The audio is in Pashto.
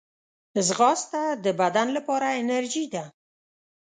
ځغاسته د بدن لپاره انرژي ده